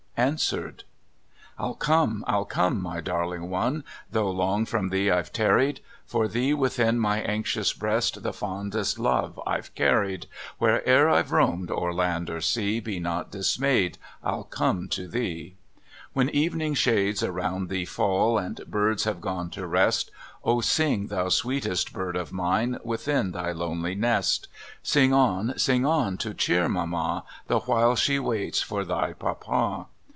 ANSWERED. ril come! Pll come! my darling one, Though long from thee I've tarried. For thee within my anxious breast The fondest love I've carried Where'er I'\e roamed o'er land or sea. Be not dismayed, Fll come to thee. When evening shades around thee fall, And birds have gone to rest, O sing, thou sweetest bird of mine, Within thy lonely nest! Sing on! sing on! to cheer " mamma" " The while she waits " for th\ " papa."